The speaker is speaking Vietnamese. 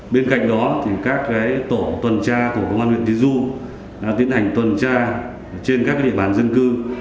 bên cạnh đó các tổ tuần tra của công an huyện tứ du đã tiến hành tuần tra trên các địa bàn dân cư